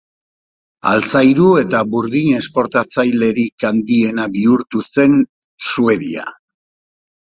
Altzairu eta burdin esportatzailerik handiena bihurtu zen Suedia.